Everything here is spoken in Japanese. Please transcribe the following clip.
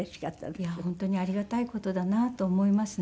いや本当にありがたい事だなと思いますね。